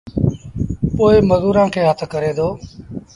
پو مزورآݩ کي هٿ ڪري دو